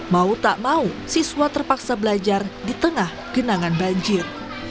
mau tak mau siswa terpaksa belajar di tengah genangan banjir